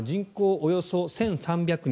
およそ１３００人